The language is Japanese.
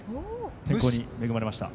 天候に恵まれました。